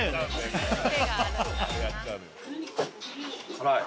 辛い？